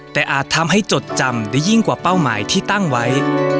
แต่อาจทำให้จดจำได้ยิ่งกว่าเป้าหมายที่ตั้งไว้